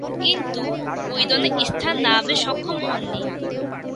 কিন্তু, ঐ দলে স্থান লাভে সক্ষম হননি।